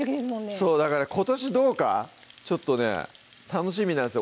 そうだから今年どうかちょっとね楽しみなんですよ